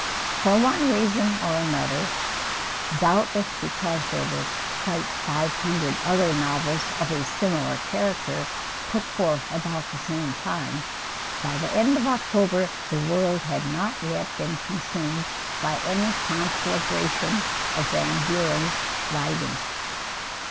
For one reason or another, doubtless because there were quite five hundred other novels of a similar character put forth about the same time, by the end of October the world had not yet been consumed by any conflagration of Van Buren's lighting.